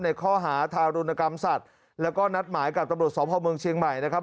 ในข้อหาทารุณกรรมสัตว์แล้วก็นัดหมายกับตำรวจสพเมืองเชียงใหม่นะครับ